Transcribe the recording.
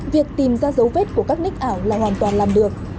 việc tìm ra dấu vết của các ních ảo là hoàn toàn làm được